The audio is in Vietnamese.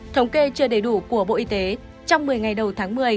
thống kê chưa đầy đủ của bộ y tế trong một mươi ngày đầu tháng một mươi